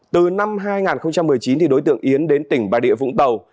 từ năm hai nghìn một mươi chín đối tượng yến đến tỉnh bà địa vũng tàu